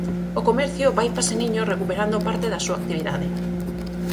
O comercio vai paseniño recuperando parte da súa actividade.